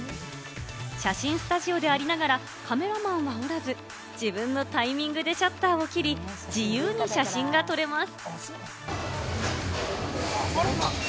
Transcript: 写真スタジオでありながらカメラマンはおらず、自分のタイミングでシャッターを切り、自由に写真が撮れます。